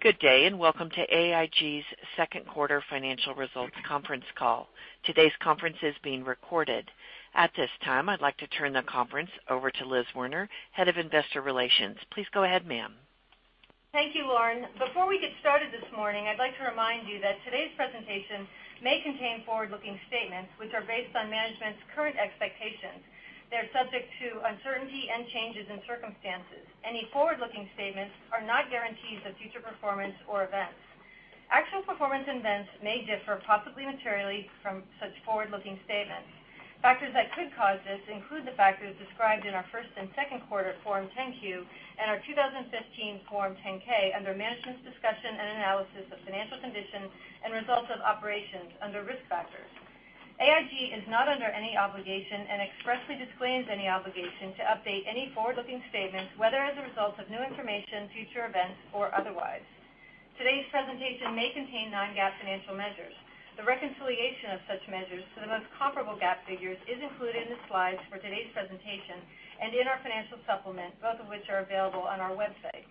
Good day, welcome to AIG's second quarter financial results conference call. Today's conference is being recorded. At this time, I'd like to turn the conference over to Liz Werner, Head of Investor Relations. Please go ahead, ma'am. Thank you, Lauren. Before we get started this morning, I'd like to remind you that today's presentation may contain forward-looking statements, which are based on management's current expectations. They are subject to uncertainty and changes in circumstances. Any forward-looking statements are not guarantees of future performance or events. Actual performance events may differ, possibly materially, from such forward-looking statements. Factors that could cause this include the factors described in our first and second quarter Form 10-Q, our 2015 Form 10-K under Management's Discussion and Analysis of Financial Condition and Results of Operations under Risk Factors. AIG is not under any obligation and expressly disclaims any obligation to update any forward-looking statements, whether as a result of new information, future events, or otherwise. Today's presentation may contain non-GAAP financial measures. The reconciliation of such measures to the most comparable GAAP figures is included in the slides for today's presentation and in our financial supplement, both of which are available on our website.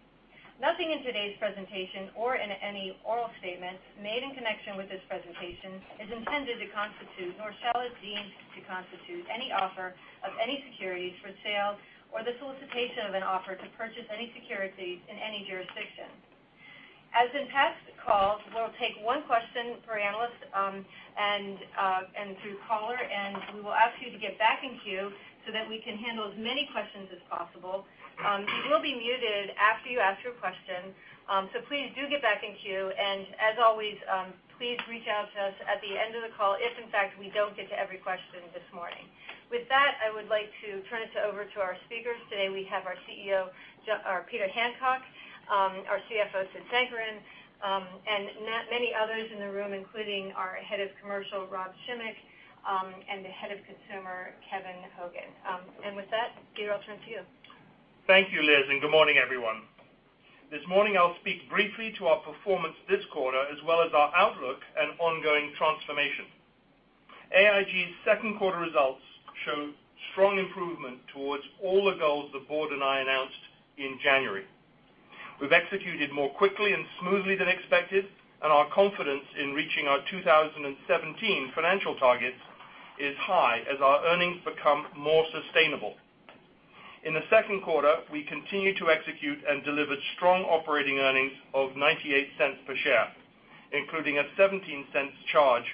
Nothing in today's presentation or in any oral statements made in connection with this presentation is intended to constitute, nor shall it deem to constitute any offer of any securities for sale or the solicitation of an offer to purchase any securities in any jurisdiction. As in past calls, we'll take one question per analyst and through caller, we will ask you to get back in queue so that we can handle as many questions as possible. You will be muted after you ask your question. Please do get back in queue, as always, please reach out to us at the end of the call if, in fact, we don't get to every question this morning. With that, I would like to turn it over to our speakers today. We have our CEO, Peter Hancock, our CFO, Sid Sankaran, and many others in the room, including our Head of Commercial, Rob Schimek, and the Head of Consumer, Kevin Hogan. With that, Peter, I'll turn to you. Thank you, Liz, and good morning, everyone. This morning I'll speak briefly to our performance this quarter, as well as our outlook and ongoing transformation. AIG's second quarter results show strong improvement towards all the goals the board and I announced in January. We've executed more quickly and smoothly than expected, and our confidence in reaching our 2017 financial targets is high as our earnings become more sustainable. In the second quarter, we continued to execute and delivered strong operating earnings of $0.98 per share, including a $0.17 charge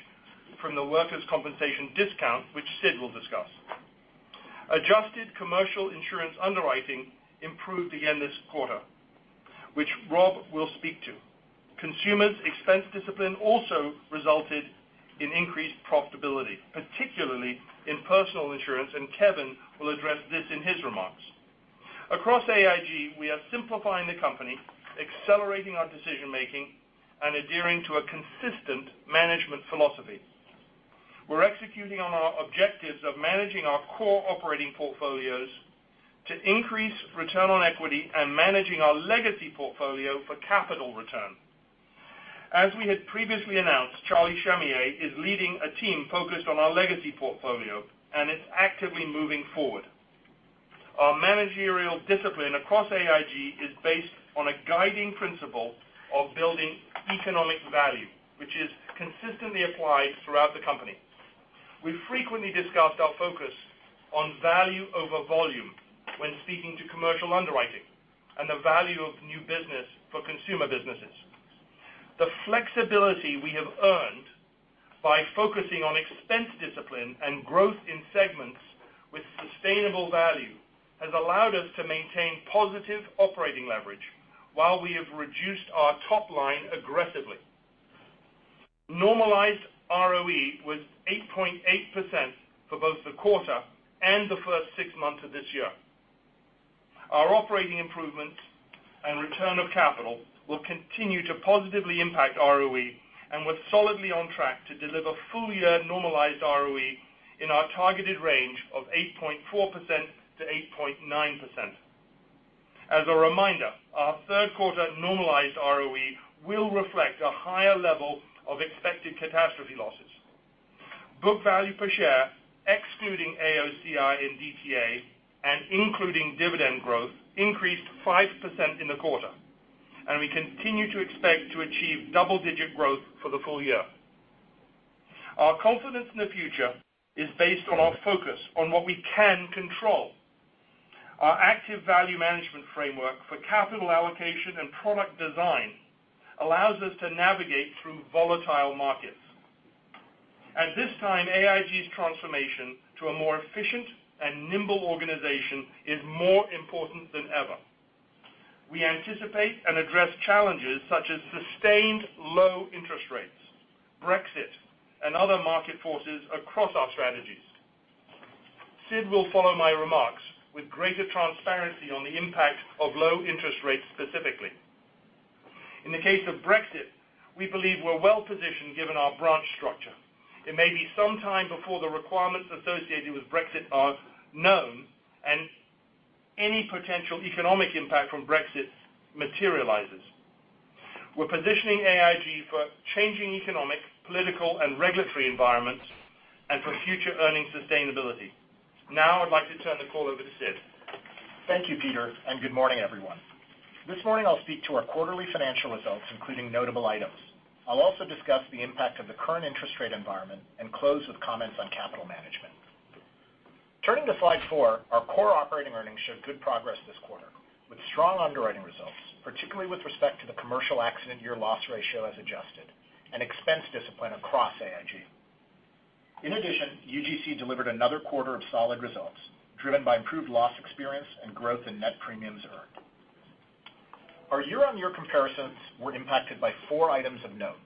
from the workers' compensation discount, which Sid will discuss. Adjusted commercial insurance underwriting improved again this quarter, which Rob will speak to. Consumers' expense discipline also resulted in increased profitability, particularly in personal insurance, and Kevin will address this in his remarks. Across AIG, we are simplifying the company, accelerating our decision-making, and adhering to a consistent management philosophy. We're executing on our objectives of managing our core operating portfolios to increase return on equity and managing our legacy portfolio for capital return. As we had previously announced, Charlie Shamieh is leading a team focused on our legacy portfolio and is actively moving forward. Our managerial discipline across AIG is based on a guiding principle of building economic value, which is consistently applied throughout the company. We frequently discussed our focus on value over volume when speaking to commercial underwriting and the value of new business for consumer businesses. The flexibility we have earned by focusing on expense discipline and growth in segments with sustainable value has allowed us to maintain positive operating leverage while we have reduced our top line aggressively. Normalized ROE was 8.8% for both the quarter and the first six months of this year. Our operating improvement and return of capital will continue to positively impact ROE and we're solidly on track to deliver full-year normalized ROE in our targeted range of 8.4%-8.9%. As a reminder, our third quarter normalized ROE will reflect a higher level of expected catastrophe losses. Book value per share, excluding AOCI and DTA and including dividend growth, increased 5% in the quarter, and we continue to expect to achieve double-digit growth for the full year. Our confidence in the future is based on our focus on what we can control. Our active value management framework for capital allocation and product design allows us to navigate through volatile markets. At this time, AIG's transformation to a more efficient and nimble organization is more important than ever. We anticipate and address challenges such as sustained low interest rates, Brexit, and other market forces across our strategies. Sid will follow my remarks with greater transparency on the impact of low interest rates specifically. In the case of Brexit, we believe we're well-positioned given our branch structure. It may be some time before the requirements associated with Brexit are known and any potential economic impact from Brexit materializes. We're positioning AIG for changing economic, political, and regulatory environments and for future earnings sustainability. Now I'd like to turn the call over to Sid. Thank you, Peter, and good morning, everyone. This morning I will speak to our quarterly financial results, including notable items. I will also discuss the impact of the current interest rate environment and close with comments on capital management. Turning to slide four, our core operating earnings showed good progress this quarter, with strong underwriting results, particularly with respect to the commercial accident year loss ratio as adjusted, and expense discipline across AIG. In addition, UGC delivered another quarter of solid results, driven by improved loss experience and growth in net premiums earned. Our year-on-year comparisons were impacted by four items of note.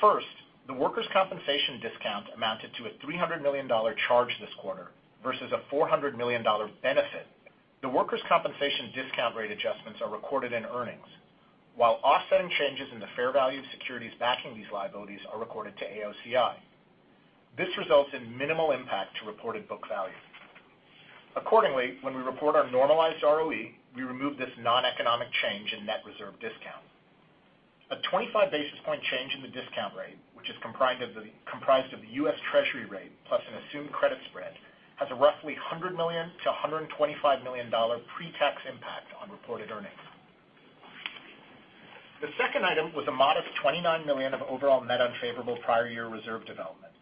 First, the workers' compensation discount amounted to a $300 million charge this quarter versus a $400 million benefit. The workers' compensation discount rate adjustments are recorded in earnings, while offsetting changes in the fair value of securities backing these liabilities are recorded to AOCI. This results in minimal impact to reported book value. Accordingly, when we report our normalized ROE, we remove this non-economic change in net reserve discount. A 25 basis point change in the discount rate, which is comprised of the U.S. Treasury rate plus an assumed credit spread, has a roughly $100 million to $125 million pre-tax impact on reported earnings. The second item was a modest $29 million of overall net unfavorable prior year reserve development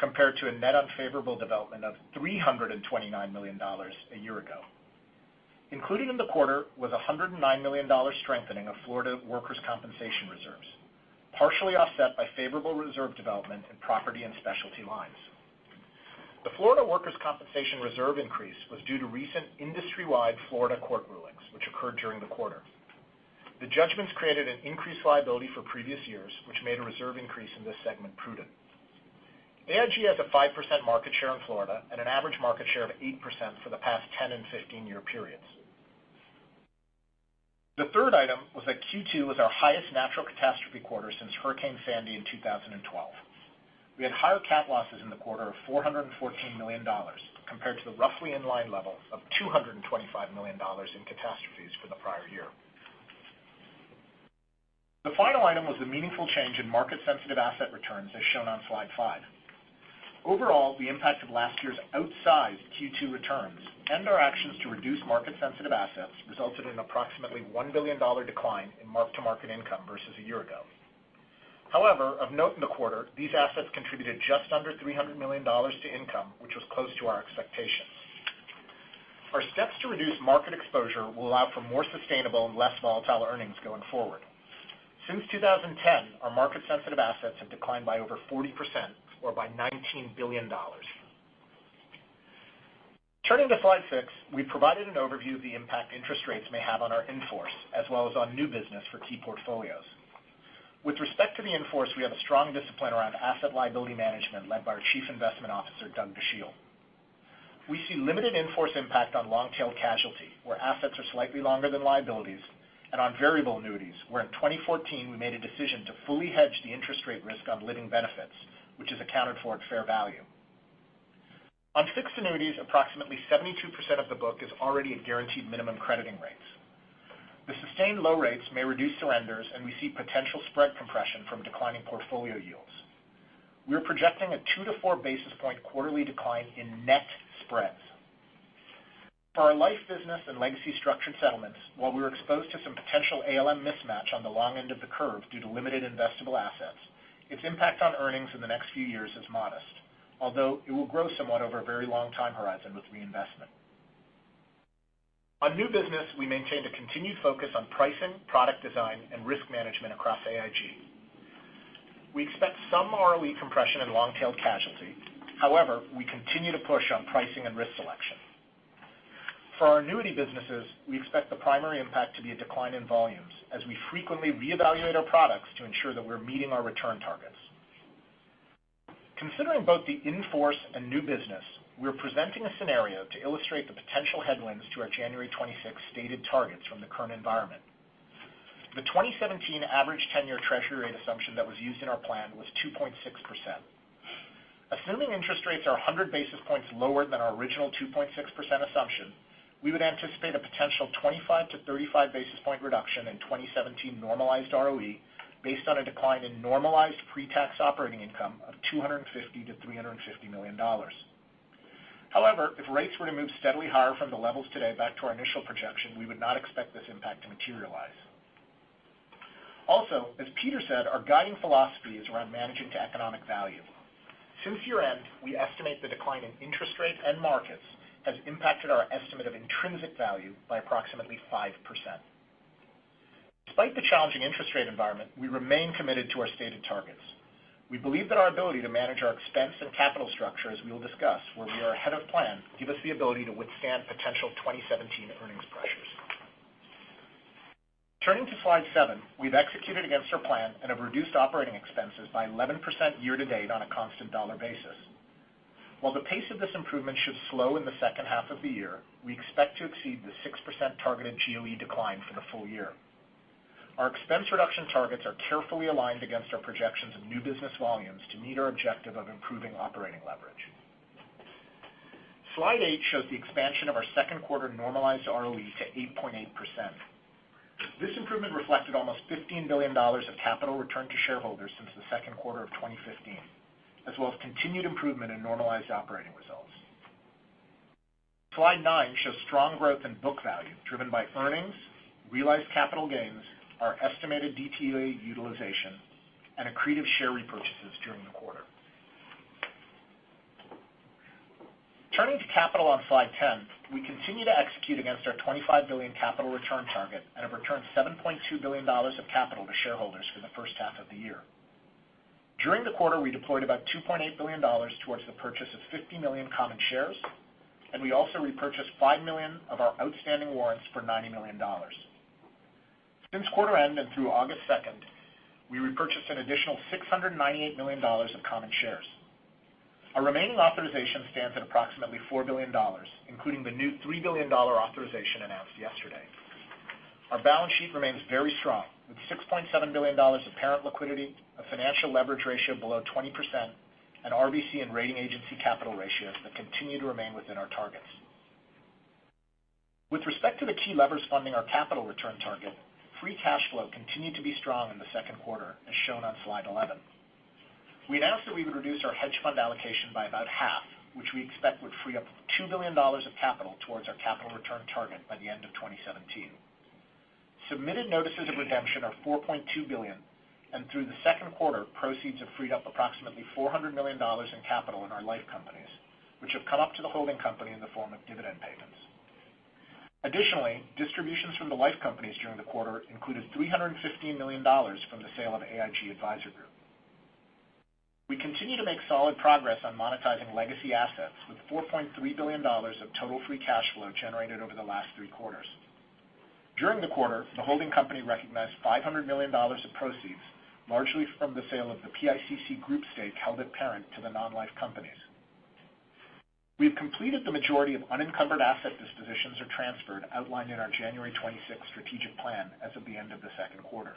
compared to a net unfavorable development of $329 million a year ago. Included in the quarter was a $109 million strengthening of Florida workers' compensation reserves, partially offset by favorable reserve development in property and specialty lines. The Florida workers' compensation reserve increase was due to recent industry-wide Florida court rulings, which occurred during the quarter. The judgments created an increased liability for previous years, which made a reserve increase in this segment prudent. AIG has a 5% market share in Florida and an average market share of 8% for the past 10 and 15-year periods. The third item was that Q2 was our highest natural catastrophe quarter since Hurricane Sandy in 2012. We had higher cat losses in the quarter of $414 million compared to the roughly in-line level of $225 million in catastrophes for the prior year. The final item was the meaningful change in market-sensitive asset returns, as shown on slide five. Overall, the impact of last year's outsized Q2 returns and our actions to reduce market-sensitive assets resulted in approximately a $1 billion decline in mark-to-market income versus a year ago. However, of note in the quarter, these assets contributed just under $300 million to income, which was close to our expectations. Our steps to reduce market exposure will allow for more sustainable and less volatile earnings going forward. Since 2010, our market-sensitive assets have declined by over 40%, or by $19 billion. Turning to slide six, we have provided an overview of the impact interest rates may have on our in-force, as well as on new business for key portfolios. With respect to the in-force, we have a strong discipline around asset liability management led by our Chief Investment Officer, Doug Dachille. We see limited in-force impact on long-tail casualty, where assets are slightly longer than liabilities, and on variable annuities, where in 2014 we made a decision to fully hedge the interest rate risk on living benefits, which is accounted for at fair value. On fixed annuities, approximately 72% of the book is already at guaranteed minimum crediting rates. The sustained low rates may reduce surrenders, and we see potential spread compression from declining portfolio yields. We're projecting a 2 to 4 basis point quarterly decline in net spreads. For our life business and legacy structured settlements, while we're exposed to some potential ALM mismatch on the long end of the curve due to limited investable assets, its impact on earnings in the next few years is modest. Although it will grow somewhat over a very long time horizon with reinvestment. On new business, we maintained a continued focus on pricing, product design, and risk management across AIG. We expect some ROE compression in long-tail casualty. We continue to push on pricing and risk selection. For our annuity businesses, we expect the primary impact to be a decline in volumes as we frequently reevaluate our products to ensure that we're meeting our return targets. Considering both the in-force and new business, we're presenting a scenario to illustrate the potential headwinds to our January 26th stated targets from the current environment. The 2017 average 10-year Treasury rate assumption that was used in our plan was 2.6%. Assuming interest rates are 100 basis points lower than our original 2.6% assumption, we would anticipate a potential 25 to 35 basis point reduction in 2017 normalized ROE based on a decline in normalized pre-tax operating income of $250 million-$350 million. If rates were to move steadily higher from the levels today back to our initial projection, we would not expect this impact to materialize. As Peter said, our guiding philosophy is around managing to economic value. Since year-end, we estimate the decline in interest rates and markets has impacted our estimate of intrinsic value by approximately 5%. Despite the challenging interest rate environment, we remain committed to our stated targets. We believe that our ability to manage our expense and capital structure, as we will discuss, where we are ahead of plan, give us the ability to withstand potential 2017 earnings pressures. Turning to slide seven, we've executed against our plan and have reduced operating expenses by 11% year-to-date on a constant dollar basis. While the pace of this improvement should slow in the second half of the year, we expect to exceed the 6% targeted GOE decline for the full year. Our expense reduction targets are carefully aligned against our projections of new business volumes to meet our objective of improving operating leverage. Slide eight shows the expansion of our second quarter normalized ROE to 8.8%. This improvement reflected almost $15 billion of capital returned to shareholders since the second quarter of 2015, as well as continued improvement in normalized operating results. Slide nine shows strong growth in book value driven by earnings, realized capital gains, our estimated DTA utilization, and accretive share repurchases during the quarter. Turning to capital on slide 10, we continue to execute against our $25 billion capital return target and have returned $7.2 billion of capital to shareholders for the first half of the year. During the quarter, we deployed about $2.8 billion towards the purchase of 50 million common shares, and we also repurchased 5 million of our outstanding warrants for $90 million. Since quarter-end and through August 2nd, we repurchased an additional $698 million of common shares. Our remaining authorization stands at approximately $4 billion, including the new $3 billion authorization announced yesterday. Our balance sheet remains very strong, with $6.7 billion of parent liquidity, a financial leverage ratio below 20%, and RBC and rating agency capital ratios that continue to remain within our targets. With respect to the key levers funding our capital return target, free cash flow continued to be strong in the second quarter, as shown on slide 11. We announced that we would reduce our hedge fund allocation by about half, which we expect would free up $2 billion of capital towards our capital return target by the end of 2017. Submitted notices of redemption are $4.2 billion, and through the second quarter, proceeds have freed up approximately $400 million in capital in our life companies, which have come up to the holding company in the form of dividend payments. Additionally, distributions from the life companies during the quarter included $315 million from the sale of AIG Advisor Group. We continue to make solid progress on monetizing legacy assets, with $4.3 billion of total free cash flow generated over the last three quarters. During the quarter, the holding company recognized $500 million of proceeds, largely from the sale of the PICC group stake held at parent to the non-life companies. We've completed the majority of unencumbered asset dispositions or transferred outlined in our January 26th strategic plan as of the end of the second quarter.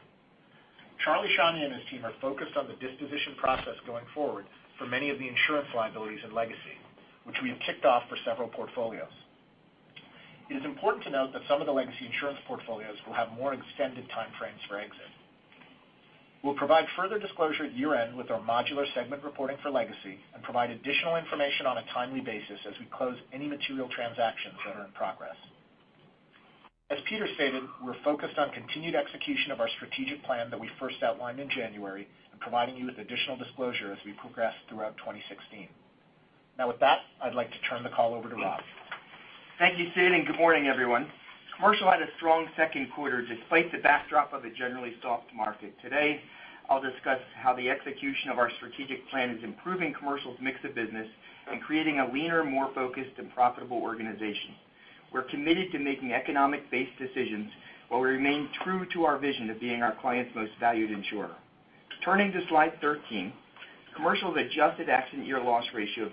Charlie Shamieh and his team are focused on the disposition process going forward for many of the insurance liabilities in legacy, which we have kicked off for several portfolios. It is important to note that some of the legacy insurance portfolios will have more extended timeframes for exit. We'll provide further disclosure at year-end with our modular segment reporting for legacy and provide additional information on a timely basis as we close any material transactions that are in progress. As Peter stated, we're focused on continued execution of our strategic plan that we first outlined in January and providing you with additional disclosure as we progress throughout 2016. Now with that, I'd like to turn the call over to Rob. Thank you, Sid, and good morning, everyone. Commercial had a strong second quarter despite the backdrop of a generally soft market. Today, I'll discuss how the execution of our strategic plan is improving Commercial's mix of business and creating a leaner, more focused, and profitable organization. We're committed to making economic-based decisions while we remain true to our vision of being our clients' most valued insurer. Turning to slide 13, Commercial's adjusted Accident Year Loss Ratio of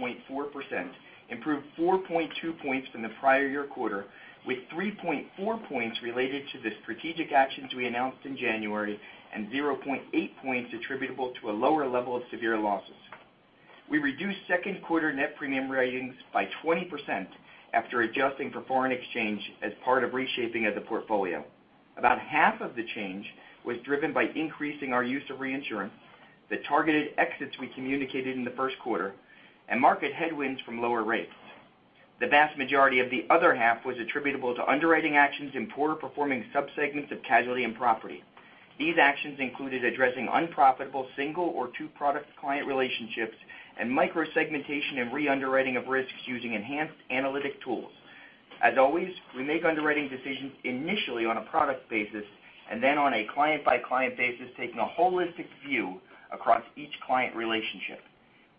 62.4% improved 4.2 points from the prior year quarter, with 3.4 points related to the strategic actions we announced in January and 0.8 points attributable to a lower level of severe losses. We reduced second quarter net premium writings by 20% after adjusting for foreign exchange as part of reshaping of the portfolio. About half of the change was driven by increasing our use of reinsurance, the targeted exits we communicated in the first quarter, and market headwinds from lower rates. The vast majority of the other half was attributable to underwriting actions in poorer performing subsegments of casualty and property. These actions included addressing unprofitable single or two-product client relationships and microsegmentation and re-underwriting of risks using enhanced analytic tools. As always, we make underwriting decisions initially on a product basis and then on a client-by-client basis, taking a holistic view across each client relationship.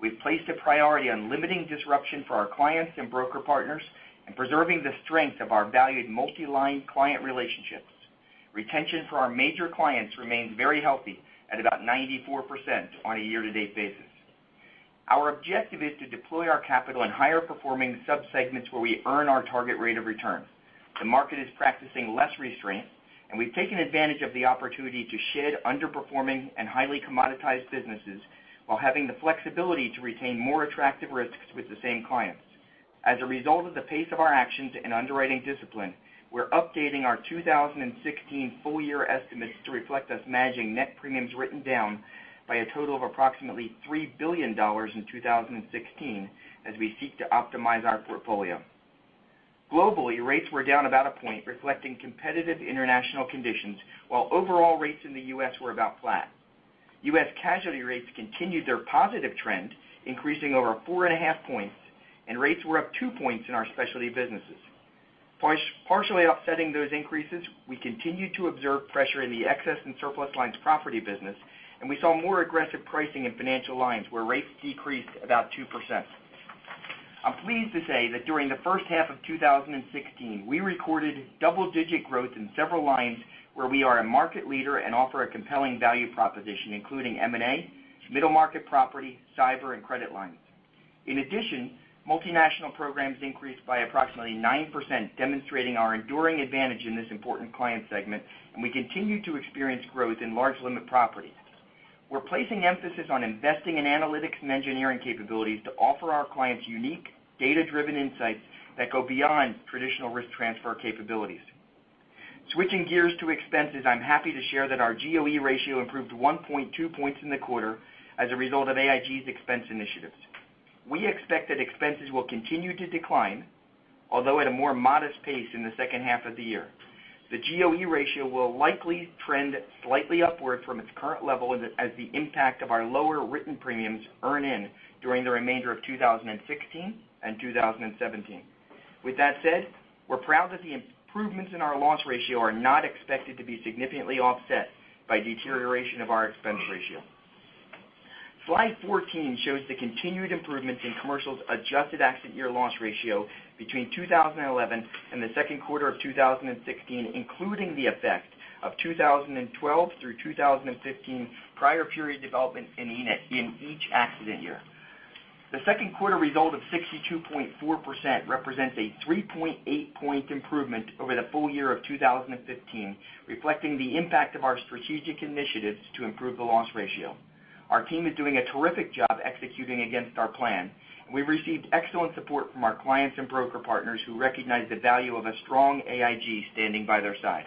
We've placed a priority on limiting disruption for our clients and broker partners and preserving the strength of our valued multi-line client relationships. Retention for our major clients remains very healthy at about 94% on a year-to-date basis. Our objective is to deploy our capital in higher-performing subsegments where we earn our target rate of return. The market is practicing less restraint, and we've taken advantage of the opportunity to shed underperforming and highly commoditized businesses while having the flexibility to retain more attractive risks with the same clients. As a result of the pace of our actions and underwriting discipline, we're updating our 2016 full-year estimates to reflect us managing net premiums written down by a total of approximately $3 billion in 2016 as we seek to optimize our portfolio. Globally, rates were down about a point, reflecting competitive international conditions, while overall rates in the U.S. were about flat. U.S. casualty rates continued their positive trend, increasing over four and a half points, and rates were up 2 points in our specialty businesses. Partially offsetting those increases, we continued to observe pressure in the excess and surplus lines property business, and we saw more aggressive pricing in financial lines, where rates decreased about 2%. I'm pleased to say that during the first half of 2016, we recorded double-digit growth in several lines where we are a market leader and offer a compelling value proposition, including M&A, middle market property, cyber, and credit lines. In addition, multinational programs increased by approximately 9%, demonstrating our enduring advantage in this important client segment, and we continue to experience growth in large limit property. We're placing emphasis on investing in analytics and engineering capabilities to offer our clients unique data-driven insights that go beyond traditional risk transfer capabilities. Switching gears to expenses, I'm happy to share that our GOE ratio improved 1.2 points in the quarter as a result of AIG's expense initiatives. We expect that expenses will continue to decline, although at a more modest pace in the second half of the year. The GOE ratio will likely trend slightly upward from its current level as the impact of our lower written premiums earn in during the remainder of 2016 and 2017. With that said, we're proud that the improvements in our loss ratio are not expected to be significantly offset by deterioration of our expense ratio. Slide 14 shows the continued improvements in Commercial's adjusted accident year loss ratio between 2011 and the second quarter of 2016, including the effect of 2012 through 2015 prior period development in each accident year. The second quarter result of 62.4% represents a 3.8-point improvement over the full year of 2015, reflecting the impact of our strategic initiatives to improve the loss ratio. Our team is doing a terrific job executing against our plan. We've received excellent support from our clients and broker partners who recognize the value of a strong AIG standing by their side.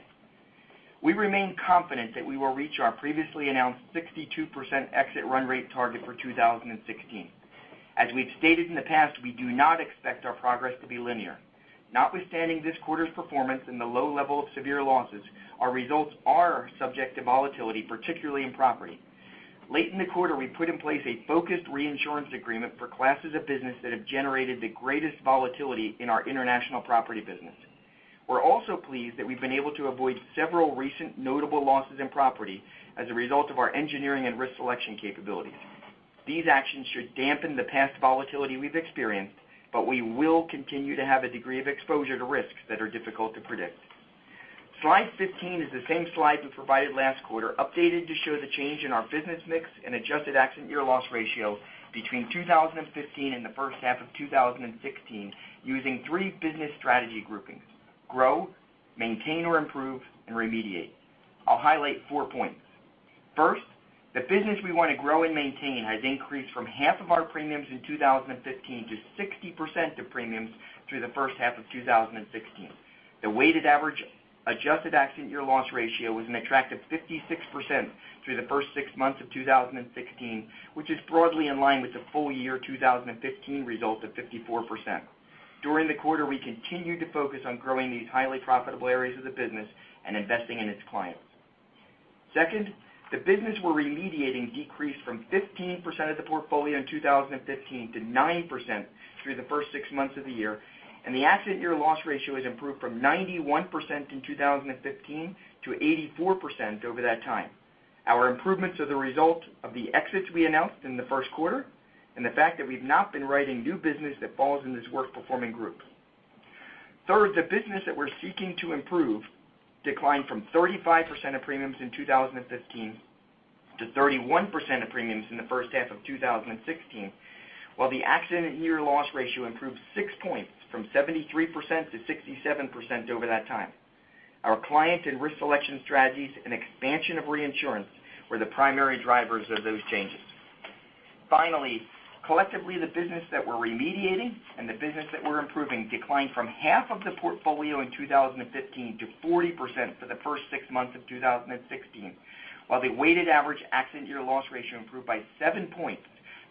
We remain confident that we will reach our previously announced 62% exit run rate target for 2016. As we've stated in the past, we do not expect our progress to be linear. Notwithstanding this quarter's performance and the low level of severe losses, our results are subject to volatility, particularly in property. Late in the quarter, we put in place a focused reinsurance agreement for classes of business that have generated the greatest volatility in our international property business. We're also pleased that we've been able to avoid several recent notable losses in property as a result of our engineering and risk selection capabilities. These actions should dampen the past volatility we've experienced, but we will continue to have a degree of exposure to risks that are difficult to predict. Slide 15 is the same slide we provided last quarter, updated to show the change in our business mix and adjusted accident year loss ratio between 2015 and the first half of 2016 using three business strategy groupings: grow, maintain or improve, and remediate. I'll highlight four points. First, the business we want to grow and maintain has increased from half of our premiums in 2015 to 60% of premiums through the first half of 2016. The weighted average adjusted accident year loss ratio was an attractive 56% through the first six months of 2016, which is broadly in line with the full year 2015 result of 54%. During the quarter, we continued to focus on growing these highly profitable areas of the business and investing in its clients. Second, the business we're remediating decreased from 15% of the portfolio in 2015 to 9% through the first six months of the year, and the accident year loss ratio has improved from 91% in 2015 to 84% over that time. Our improvements are the result of the exits we announced in the first quarter and the fact that we've not been writing new business that falls in this worse-performing group. Third, the business that we're seeking to improve declined from 35% of premiums in 2015 to 31% of premiums in the first half of 2016, while the accident year loss ratio improved six points from 73% to 67% over that time. Our client and risk selection strategies and expansion of reinsurance were the primary drivers of those changes. Finally, collectively, the business that we're remediating and the business that we're improving declined from half of the portfolio in 2015 to 40% for the first six months of 2016. While the weighted average accident year loss ratio improved by seven points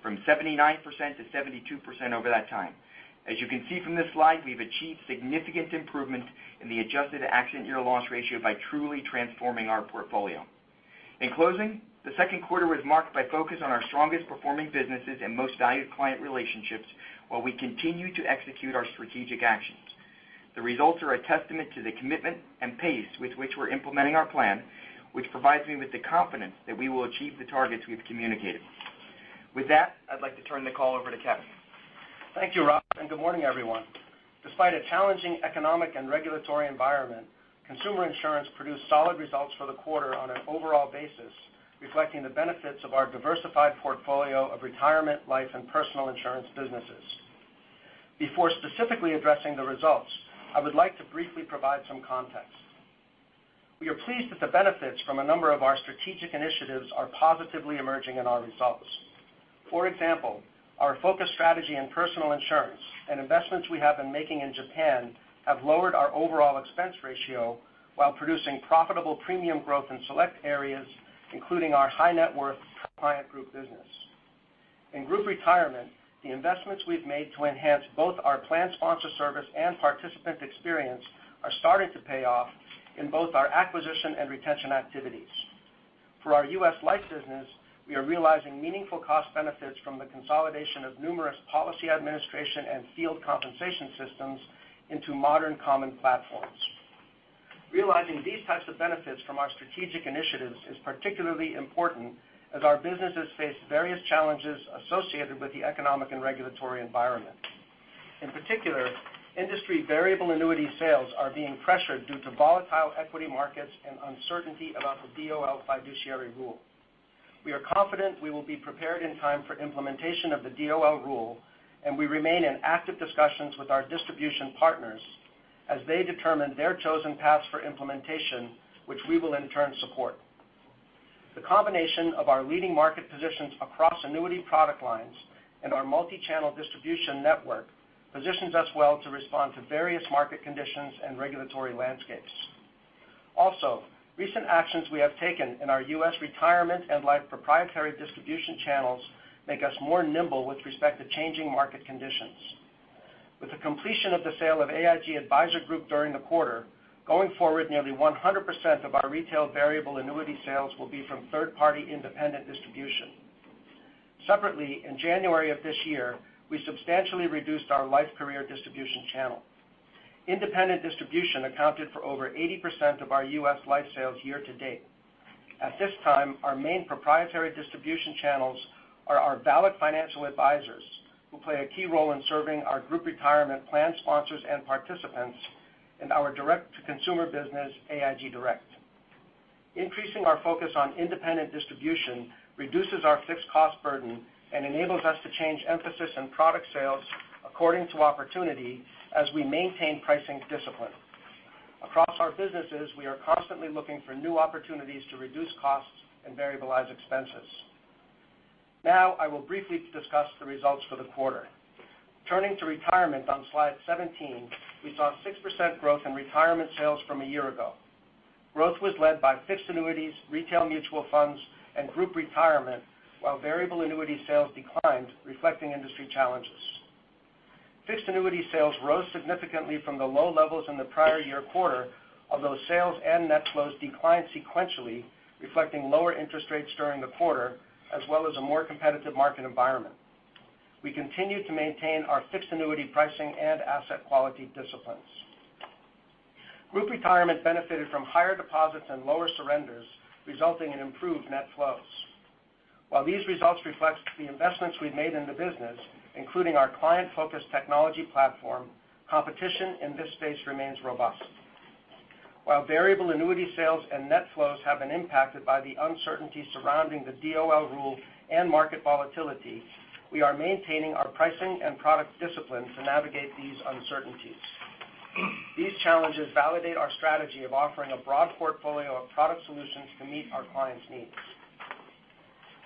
from 79% to 72% over that time. As you can see from this slide, we've achieved significant improvement in the adjusted accident year loss ratio by truly transforming our portfolio. In closing, the second quarter was marked by focus on our strongest-performing businesses and most valued client relationships while we continue to execute our strategic actions. The results are a testament to the commitment and pace with which we're implementing our plan, which provides me with the confidence that we will achieve the targets we've communicated. With that, I'd like to turn the call over to Kevin. Thank you, Rob, and good morning, everyone. Despite a challenging economic and regulatory environment, consumer insurance produced solid results for the quarter on an overall basis, reflecting the benefits of our diversified portfolio of retirement, life, and personal insurance businesses. Before specifically addressing the results, I would like to briefly provide some context. We are pleased that the benefits from a number of our strategic initiatives are positively emerging in our results. For example, our focus strategy in personal insurance and investments we have been making in Japan have lowered our overall expense ratio while producing profitable premium growth in select areas, including our high-net-worth client group business. In Group Retirement, the investments we've made to enhance both our plan sponsor service and participant experience are starting to pay off in both our acquisition and retention activities. For our U.S. Life business, we are realizing meaningful cost benefits from the consolidation of numerous policy administration and field compensation systems into modern common platforms. Realizing these types of benefits from our strategic initiatives is particularly important as our businesses face various challenges associated with the economic and regulatory environment. In particular, industry variable annuity sales are being pressured due to volatile equity markets and uncertainty about the DOL Fiduciary Rule. We are confident we will be prepared in time for implementation of the DOL Rule, and we remain in active discussions with our distribution partners. As they determine their chosen paths for implementation, which we will in turn support. The combination of our leading market positions across annuity product lines and our multi-channel distribution network positions us well to respond to various market conditions and regulatory landscapes. Recent actions we have taken in our U.S. retirement and life proprietary distribution channels make us more nimble with respect to changing market conditions. With the completion of the sale of AIG Advisor Group during the quarter, going forward, nearly 100% of our retail variable annuity sales will be from third-party independent distribution. Separately, in January of this year, we substantially reduced our life career distribution channel. Independent distribution accounted for over 80% of our U.S. life sales year to date. At this time, our main proprietary distribution channels are our VALIC Financial Advisors, who play a key role in serving our Group Retirement plan sponsors and participants in our direct-to-consumer business, AIG Direct. Increasing our focus on independent distribution reduces our fixed cost burden and enables us to change emphasis in product sales according to opportunity as we maintain pricing discipline. Across our businesses, we are constantly looking for new opportunities to reduce costs and variabilize expenses. I will briefly discuss the results for the quarter. Turning to retirement on slide 17, we saw 6% growth in retirement sales from a year ago. Growth was led by fixed annuities, retail mutual funds, and Group Retirement, while variable annuity sales declined, reflecting industry challenges. Fixed annuity sales rose significantly from the low levels in the prior year quarter, although sales and net flows declined sequentially, reflecting lower interest rates during the quarter, as well as a more competitive market environment. We continue to maintain our fixed annuity pricing and asset quality disciplines. Group Retirement benefited from higher deposits and lower surrenders, resulting in improved net flows. While these results reflect the investments we've made in the business, including our client-focused technology platform, competition in this space remains robust. While variable annuity sales and net flows have been impacted by the uncertainty surrounding the DOL rule and market volatility, we are maintaining our pricing and product discipline to navigate these uncertainties. These challenges validate our strategy of offering a broad portfolio of product solutions to meet our clients' needs.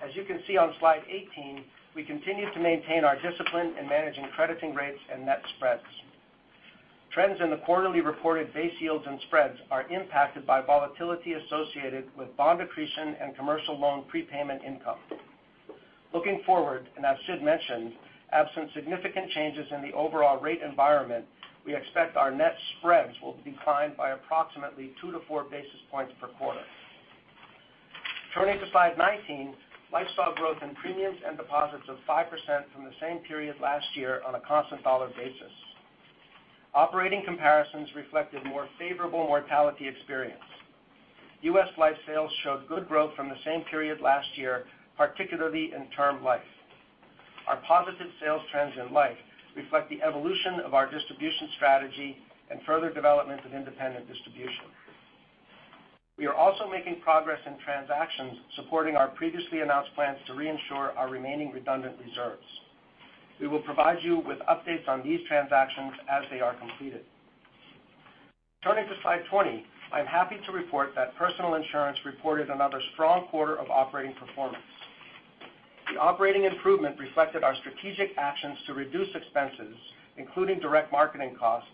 As you can see on slide 18, we continue to maintain our discipline in managing crediting rates and net spreads. Trends in the quarterly reported base yields and spreads are impacted by volatility associated with bond accretion and commercial loan prepayment income. Looking forward, and as Sid mentioned, absent significant changes in the overall rate environment, we expect our net spreads will decline by approximately two to four basis points per quarter. Turning to slide 19, Life saw growth in premiums and deposits of 5% from the same period last year on a constant dollar basis. Operating comparisons reflected more favorable mortality experience. U.S. life sales showed good growth from the same period last year, particularly in term life. Our positive sales trends in life reflect the evolution of our distribution strategy and further development of independent distribution. We are also making progress in transactions supporting our previously announced plans to reinsure our remaining redundant reserves. We will provide you with updates on these transactions as they are completed. Turning to slide 20, I'm happy to report that personal insurance reported another strong quarter of operating performance. The operating improvement reflected our strategic actions to reduce expenses, including direct marketing costs,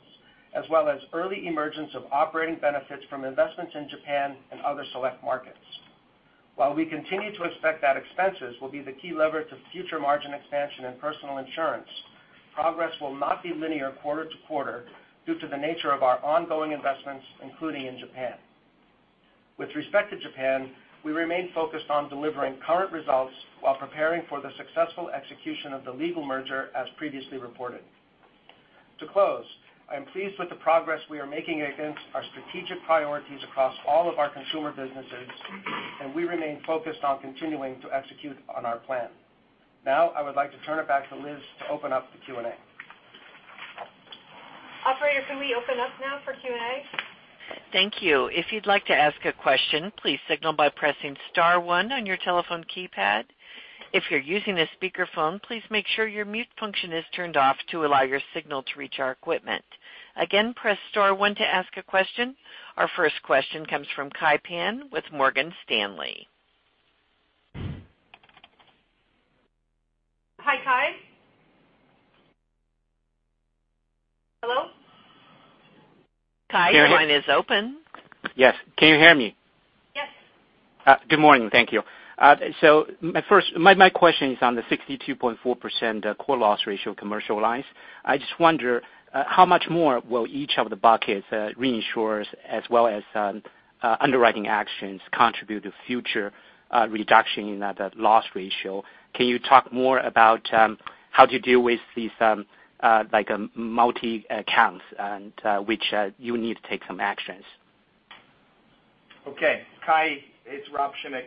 as well as early emergence of operating benefits from investments in Japan and other select markets. While we continue to expect that expenses will be the key lever to future margin expansion in personal insurance, progress will not be linear quarter-to-quarter due to the nature of our ongoing investments, including in Japan. With respect to Japan, we remain focused on delivering current results while preparing for the successful execution of the legal merger as previously reported. To close, I am pleased with the progress we are making against our strategic priorities across all of our consumer businesses, and we remain focused on continuing to execute on our plan. Now, I would like to turn it back to Liz to open up the Q&A. Operator, can we open up now for Q&A? Thank you. If you'd like to ask a question, please signal by pressing *1 on your telephone keypad. If you're using a speakerphone, please make sure your mute function is turned off to allow your signal to reach our equipment. Again, press *1 to ask a question. Our first question comes from Kai Pan with Morgan Stanley. Hi, Kai. Hello? Kai, your line is open. Yes. Can you hear me? Yes. Good morning. Thank you. My question is on the 62.4% core loss ratio commercial lines. I just wonder how much more will each of the buckets reinsurers as well as underwriting actions contribute to future reduction in that loss ratio. Can you talk more about how to deal with these multi accounts and which you need to take some actions? Okay. Kai, it's Rob Schimek.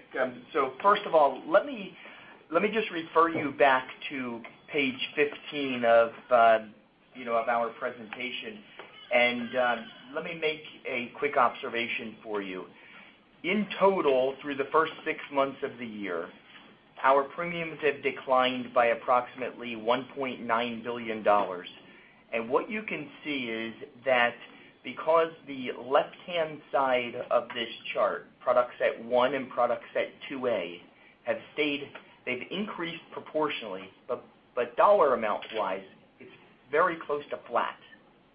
First of all, let me just refer you back to page 15 of our presentation, and let me make a quick observation for you. In total, through the first six months of the year Our premiums have declined by approximately $1.9 billion. What you can see is that because the left-hand side of this chart, product set 1 and product set 2A, they've increased proportionally, but dollar amount wise, it's very close to flat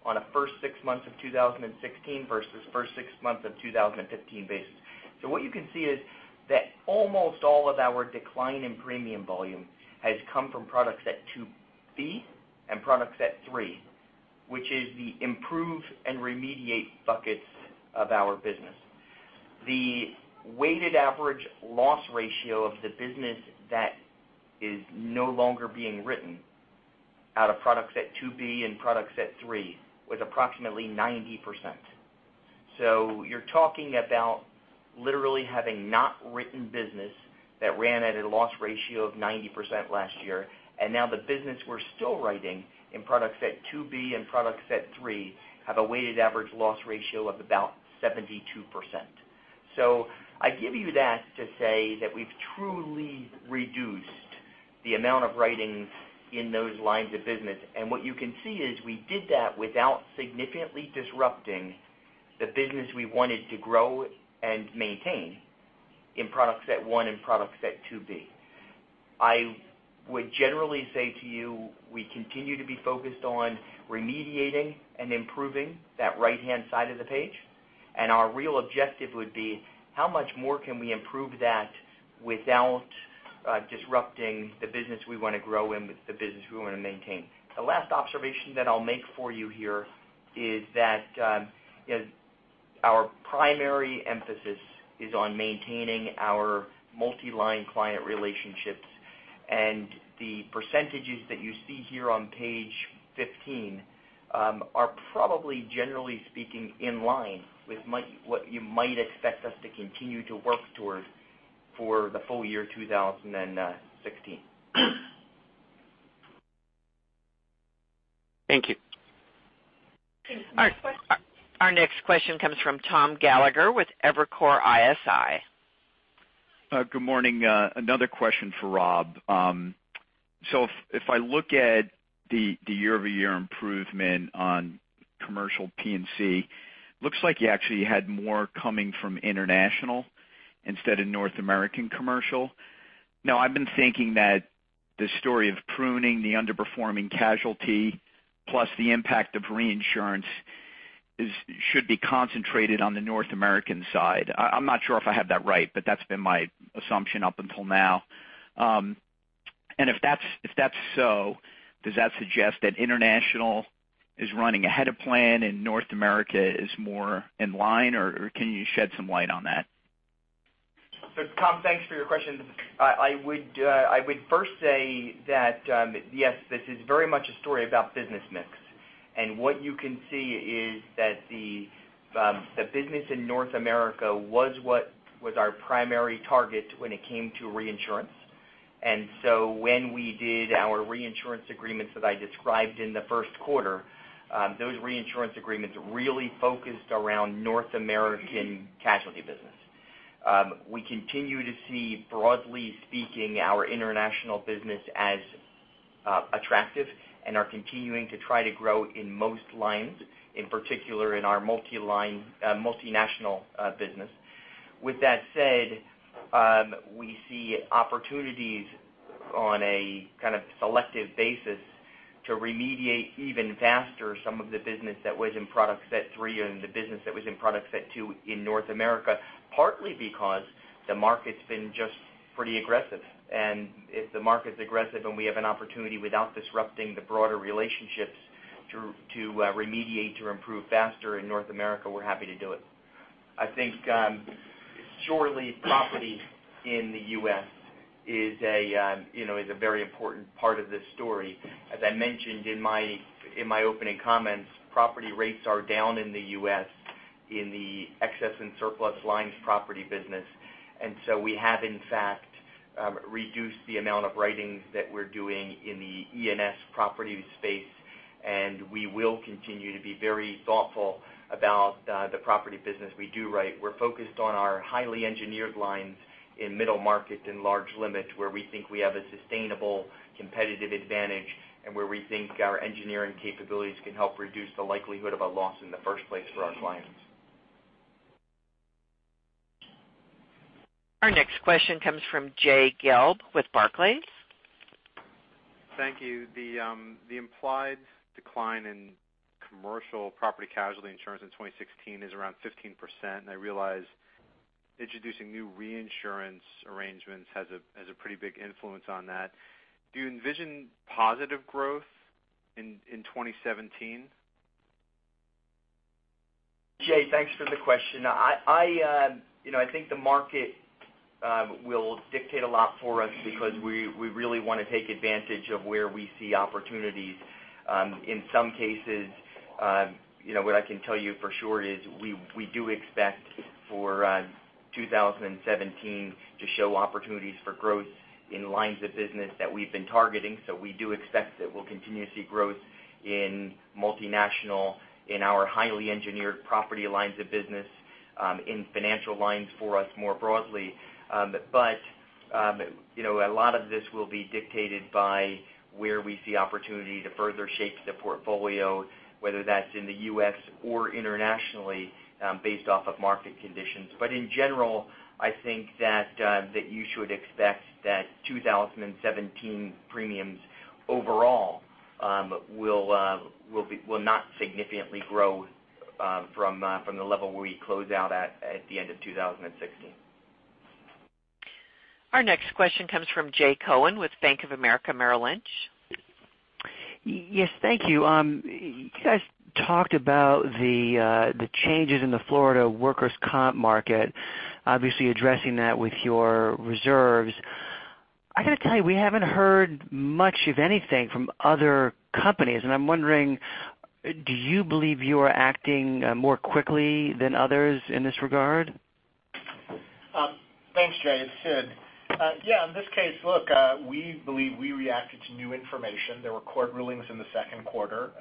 on a first six months of 2016 versus first six months of 2015 basis. What you can see is that almost all of our decline in premium volume has come from product set 2B and product set 3, which is the improve and remediate buckets of our business. The weighted average loss ratio of the business that is no longer being written out of product set 2B and product set 3 was approximately 90%. You're talking about literally having not written business that ran at a loss ratio of 90% last year, now the business we're still writing in product set 2B and product set 3 have a weighted average loss ratio of about 72%. I give you that to say that we've truly reduced the amount of writing in those lines of business, what you can see is we did that without significantly disrupting the business we wanted to grow and maintain in product set 1 and product set 2B. I would generally say to you, we continue to be focused on remediating and improving that right-hand side of the page, our real objective would be how much more can we improve that without disrupting the business we want to grow and the business we want to maintain. The last observation that I'll make for you here is that our primary emphasis is on maintaining our multi-line client relationships, the percentages that you see here on page 15 are probably, generally speaking, in line with what you might expect us to continue to work towards for the full year 2016. Thank you. Our next question comes from Thomas Gallagher with Evercore ISI. Good morning. Another question for Rob. If I look at the year-over-year improvement on commercial P&C, looks like you actually had more coming from international instead of North American commercial. I've been thinking that the story of pruning the underperforming casualty plus the impact of reinsurance should be concentrated on the North American side. I'm not sure if I have that right, but that's been my assumption up until now. If that's so, does that suggest that international is running ahead of plan and North America is more in line, or can you shed some light on that? Tom, thanks for your question. I would first say that, yes, this is very much a story about business mix. What you can see is that the business in North America was what was our primary target when it came to reinsurance. When we did our reinsurance agreements that I described in the first quarter, those reinsurance agreements really focused around North American casualty business. We continue to see, broadly speaking, our international business as attractive and are continuing to try to grow in most lines, in particular in our multi-national business. With that said, we see opportunities on a kind of selective basis to remediate even faster some of the business that was in product set 3 and the business that was in product set 2 in North America, partly because the market's been just pretty aggressive. If the market's aggressive and we have an opportunity without disrupting the broader relationships to remediate, to improve faster in North America, we're happy to do it. I think, surely property in the U.S. is a very important part of this story. As I mentioned in my opening comments, property rates are down in the U.S. in the excess and surplus lines property business. We have, in fact, reduced the amount of writing that we're doing in the E&S property space, and we will continue to be very thoughtful about the property business we do write. We're focused on our highly engineered lines in middle market and large limit, where we think we have a sustainable competitive advantage, and where we think our engineering capabilities can help reduce the likelihood of a loss in the first place for our clients. Our next question comes from Jay Gelb with Barclays. Thank you. The implied decline in commercial property casualty insurance in 2016 is around 15%, and I realize introducing new reinsurance arrangements has a pretty big influence on that. Do you envision positive growth in 2017? Jay, thanks for the question. I think the market will dictate a lot for us because we really want to take advantage of where we see opportunities. In some cases, what I can tell you for sure is we do expect for 2017 to show opportunities for growth in lines of business that we've been targeting. We do expect that we'll continue to see growth in multinational, in our highly engineered property lines of business in financial lines for us more broadly. A lot of this will be dictated by where we see opportunity to further shape the portfolio, whether that's in the U.S. or internationally, based off of market conditions. In general, I think that you should expect that 2017 premiums overall will not significantly grow from the level where we close out at the end of 2016. Our next question comes from Jay Cohen with Bank of America Merrill Lynch. Yes. Thank you. You guys talked about the changes in the Florida workers' comp market, obviously addressing that with your reserves. I got to tell you, we haven't heard much of anything from other companies. I'm wondering, do you believe you are acting more quickly than others in this regard? Thanks, Jay. It's Sid. In this case, we believe we reacted to new information. There were court rulings in the second quarter,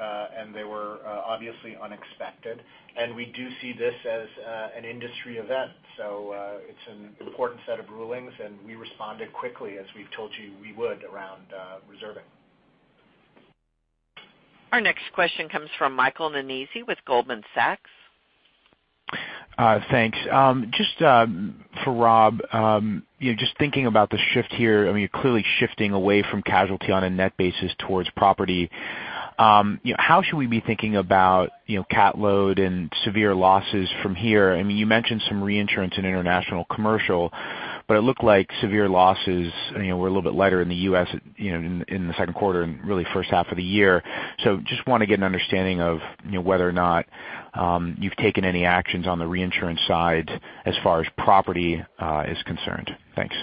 they were obviously unexpected. We do see this as an industry event. It's an important set of rulings, we responded quickly, as we've told you we would, around reserving. Our next question comes from Michael Nannizzi with Goldman Sachs. Thanks. For Rob, thinking about the shift here, I mean, you're clearly shifting away from casualty on a net basis towards property. How should we be thinking about cat load and severe losses from here? I mean, you mentioned some reinsurance in international commercial, it looked like severe losses were a little bit lighter in the U.S. in the second quarter and really first half of the year. Want to get an understanding of whether or not you've taken any actions on the reinsurance side as far as property is concerned. Thanks.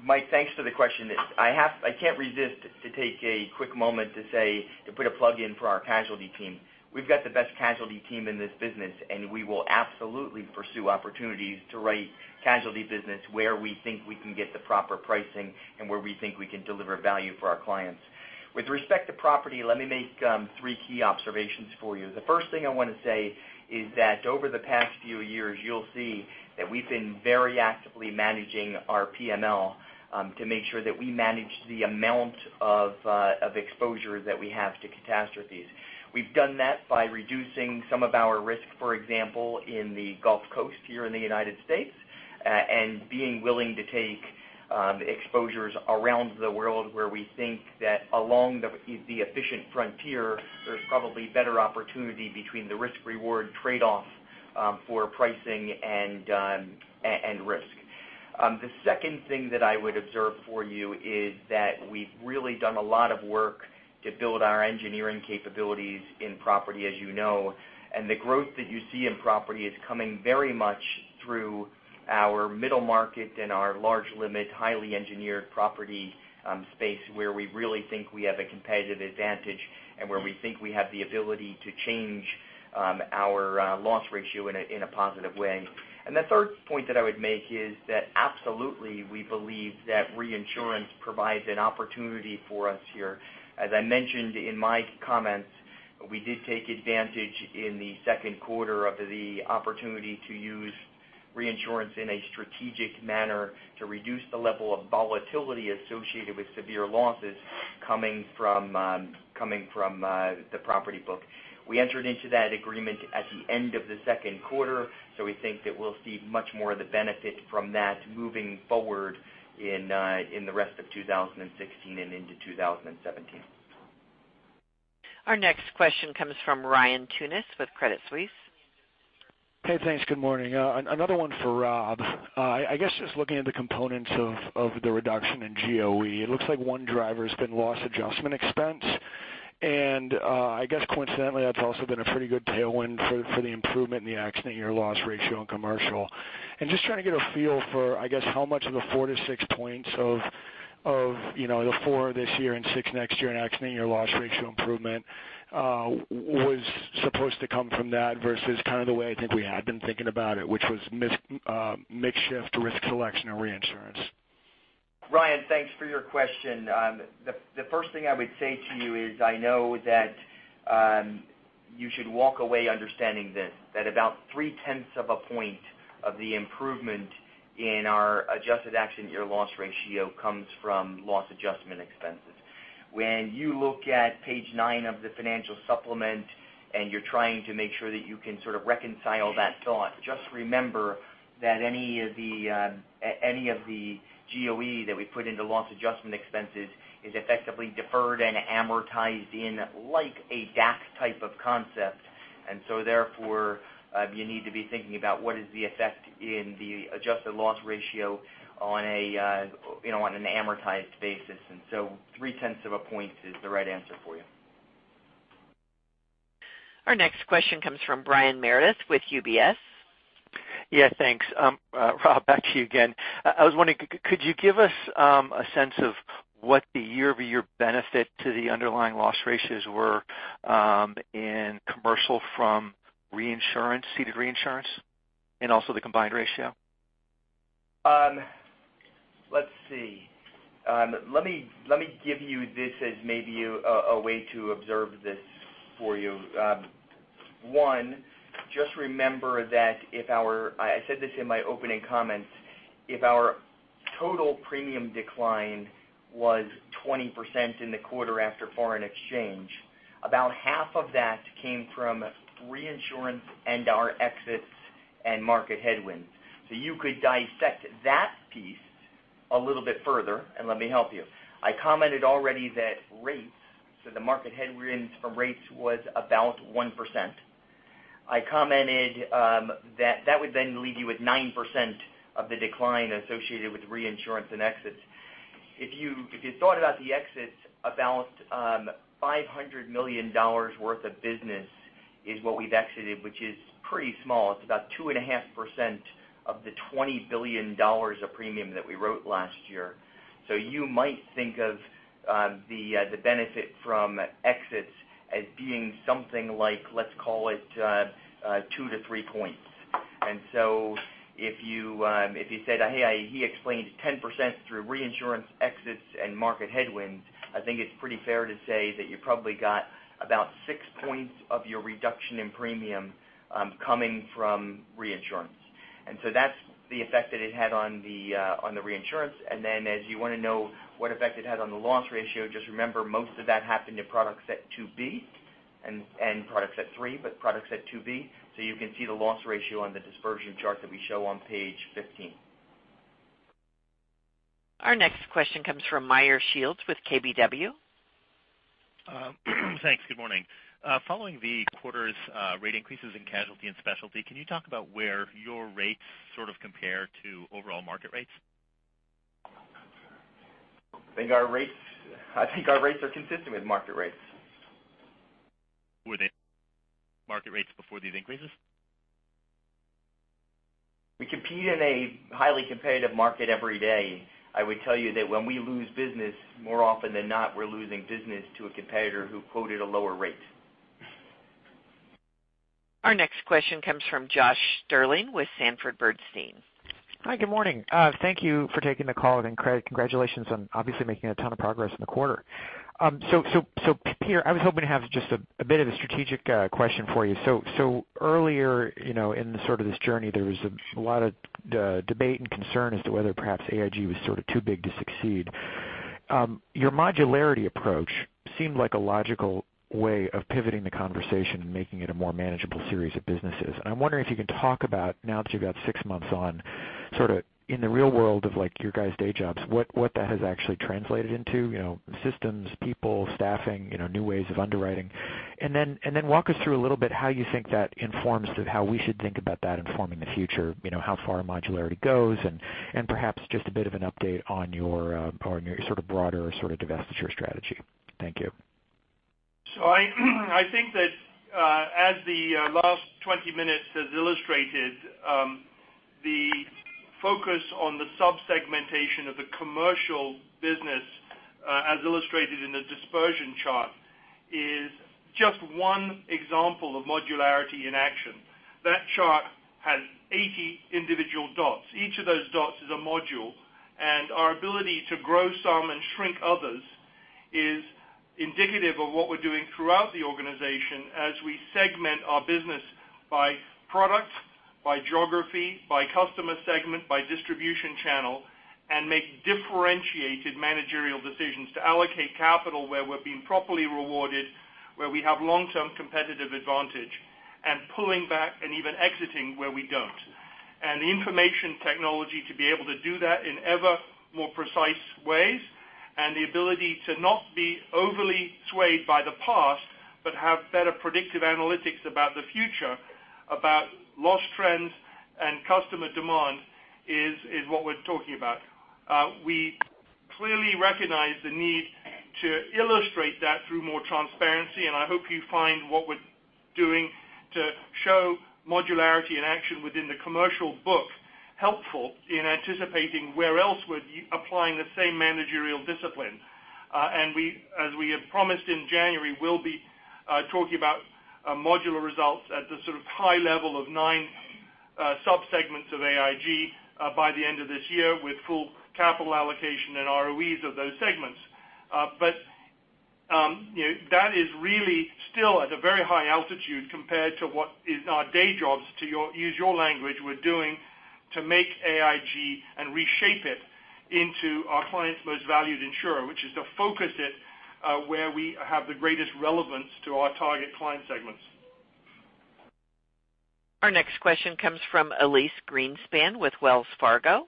Mike, thanks for the question. I can't resist to take a quick moment to put a plug in for our casualty team. We've got the best casualty team in this business, we will absolutely pursue opportunities to write casualty business where we think we can get the proper pricing and where we think we can deliver value for our clients. With respect to property, let me make three key observations for you. The first thing I want to say is that over the past few years, you'll see that we've been very actively managing our PML to make sure that we manage the amount of exposure that we have to catastrophes. We've done that by reducing some of our risk, for example, in the Gulf Coast here in the U.S., and being willing to take exposures around the world where we think that along the efficient frontier, there's probably better opportunity between the risk-reward trade-off for pricing and risk. The second thing that I would observe for you is that we've really done a lot of work to build our engineering capabilities in property, as you know, and the growth that you see in property is coming very much through our middle market and our large limit, highly engineered property space where we really think we have a competitive advantage and where we think we have the ability to change our loss ratio in a positive way. Absolutely, we believe that reinsurance provides an opportunity for us here. As I mentioned in my comments, we did take advantage in the second quarter of the opportunity to use reinsurance in a strategic manner to reduce the level of volatility associated with severe losses coming from the property book. We entered into that agreement at the end of the second quarter, we think that we'll see much more of the benefit from that moving forward in the rest of 2016 and into 2017. Our next question comes from Ryan Tunis with Credit Suisse. Hey, thanks. Good morning. Another one for Rob. I guess just looking at the components of the reduction in GOE, it looks like one driver's been loss adjustment expense, and I guess coincidentally, that's also been a pretty good tailwind for the improvement in the accident year loss ratio in commercial. Just trying to get a feel for, I guess, how much of the four to six points of the four this year and six next year in accident year loss ratio improvement was supposed to come from that versus kind of the way I think we had been thinking about it, which was mix shift, risk selection, and reinsurance. Ryan, thanks for your question. The first thing I would say to you is I know that you should walk away understanding this, that about three tenths of a point of the improvement in our adjusted accident year loss ratio comes from loss adjustment expenses. When you look at page nine of the financial supplement and you're trying to make sure that you can sort of reconcile that thought, just remember that any of the GOE that we put into loss adjustment expenses is effectively deferred and amortized in like a DAC type of concept. Therefore, you need to be thinking about what is the effect in the adjusted loss ratio on an amortized basis. Three tenths of a point is the right answer for you. Our next question comes from Brian Meredith with UBS. Yeah, thanks. Rob, back to you again. I was wondering, could you give us a sense of what the year-over-year benefit to the underlying loss ratios were in commercial from ceded reinsurance and also the combined ratio? Let me give you this as maybe a way to observe this for you. One, just remember that if our-- I said this in my opening comments, if our total premium decline was 20% in the quarter after foreign exchange, about half of that came from reinsurance and our exits and market headwinds. You could dissect that piece a little bit further and let me help you. I commented already that rates, the market headwinds from rates was about 1%. I commented that would then leave you with 9% of the decline associated with reinsurance and exits. If you thought about the exits, about $500 million worth of business is what we've exited, which is pretty small. It's about 2.5% of the $20 billion of premium that we wrote last year. You might think of the benefit from exits as being something like, let's call it 2 to 3 points. If you said, "Hey, he explained 10% through reinsurance exits and market headwinds," I think it's pretty fair to say that you probably got about 6 points of your reduction in premium coming from reinsurance. That's the effect that it had on the reinsurance. Then as you want to know what effect it had on the loss ratio, just remember most of that happened to product set 2B and product set 3, but product set 2B. You can see the loss ratio on the dispersion chart that we show on page 15. Our next question comes from Meyer Shields with KBW. Thanks. Good morning. Following the quarter's rate increases in casualty and specialty, can you talk about where your rates sort of compare to overall market rates? I think our rates are consistent with market rates. Were they market rates before these increases? We compete in a highly competitive market every day. I would tell you that when we lose business, more often than not, we're losing business to a competitor who quoted a lower rate. Our next question comes from Josh Stirling with Sanford Bernstein. Hi, good morning. Thank you for taking the call and congratulations on obviously making a ton of progress in the quarter. Peter, I was hoping to have just a bit of a strategic question for you. Earlier in the sort of this journey, there was a lot of debate and concern as to whether perhaps AIG was sort of too big to succeed. Your modularity approach seemed like a logical way of pivoting the conversation and making it a more manageable series of businesses. I'm wondering if you can talk about now that you've got 6 months on, sort of in the real world of like your guys' day jobs, what that has actually translated into, systems, people, staffing, new ways of underwriting. Walk us through a little bit how you think that informs how we should think about that informing the future, how far modularity goes and perhaps just a bit of an update on your sort of broader sort of divestiture strategy. Thank you. I think that, as the last 20 minutes has illustrated, the focus on the sub-segmentation of the commercial business, as illustrated in the dispersion chart, is just one example of modularity in action. That chart has 80 individual dots. Each of those dots is a module, and our ability to grow some and shrink others is indicative of what we're doing throughout the organization as we segment our business by product, by geography, by customer segment, by distribution channel, and make differentiated managerial decisions to allocate capital where we're being properly rewarded, where we have long-term competitive advantage, and pulling back and even exiting where we don't. The information technology to be able to do that in ever more precise ways and the ability to not be overly swayed by the past, but have better predictive analytics about the future, about loss trends and customer demand is what we're talking about. We clearly recognize the need to illustrate that through more transparency, and I hope you find what we're doing to show modularity in action within the commercial book helpful in anticipating where else we're applying the same managerial discipline. As we had promised in January, we'll be talking about modular results at the sort of high level of nine sub-segments of AIG by the end of this year with full capital allocation and ROEs of those segments. That is really still at a very high altitude compared to what is our day jobs, to use your language, we're doing to make AIG and reshape it into our clients' most valued insurer, which is to focus it where we have the greatest relevance to our target client segments. Our next question comes from Elyse Greenspan with Wells Fargo.